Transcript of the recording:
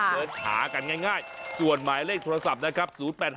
เดินหากันง่ายส่วนหมายเลขโทรศัพท์นะครับ